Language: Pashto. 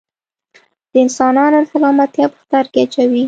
د انسانانو سلامتیا په خطر کې اچوي.